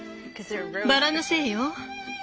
バラのせいよ。